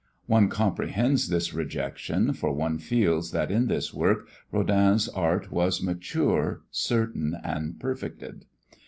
One comprehends this rejection, for one feels that in this work Rodin's art was mature, certain and perfected.